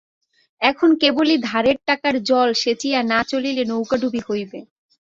এখন কেবলই ধারের টাকায় জল সেঁচিয়া না চলিলে নৌকাডুবি হইবে।